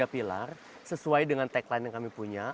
tiga pilar sesuai dengan tagline yang kami punya